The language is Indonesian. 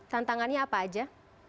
tantangannya apa saja